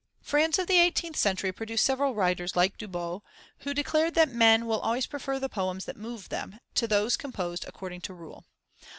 France of the eighteenth century produced several writers like Du Bos, who declared that men will always prefer the poems that move them, to those composed according to rule.